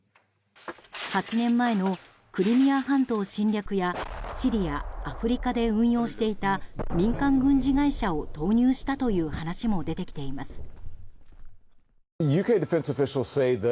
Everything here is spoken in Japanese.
８年前のクリミア半島侵略やシリア、アフリカで運用していた民間軍事会社を投入したという話も出てきています。